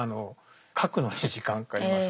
書くのに時間かかります。